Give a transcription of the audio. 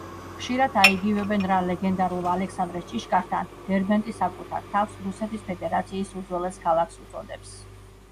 ხშირად აიგივებენ რა ლეგენდარულ ალექსანდრეს ჭიშკართან, დერბენტი საკუთარ თავს რუსეთის ფედერაციის უძველეს ქალაქს უწოდებს.